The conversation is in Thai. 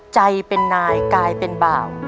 ใจเป็นนายกลายเป็นบ่าว